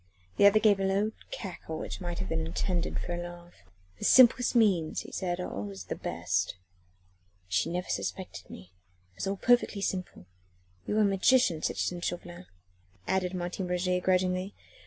The other gave a low cackle, which might have been intended for a laugh. "The simplest means," he said, "are always the best." "She never suspected me. It was all perfectly simple. You are a magician, citizen Chauvelin," added Martin Roget grudgingly.